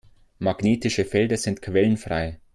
Magnetische Felder sind quellenfrei.